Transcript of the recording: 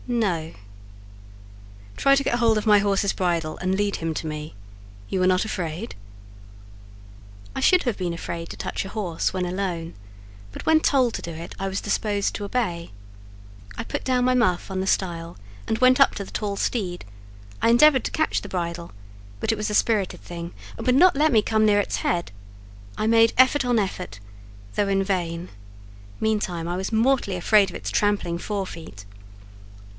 "No." "Try to get hold of my horse's bridle and lead him to me: you are not afraid?" I should have been afraid to touch a horse when alone, but when told to do it, I was disposed to obey. I put down my muff on the stile, and went up to the tall steed; I endeavoured to catch the bridle, but it was a spirited thing, and would not let me come near its head; I made effort on effort, though in vain: meantime, I was mortally afraid of its trampling fore feet.